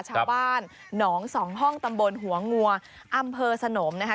ชาวบ้านหนองสองห้องตำบลหัวงัวอำเภอสนมนะคะ